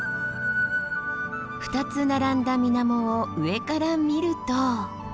２つ並んだ水面を上から見ると。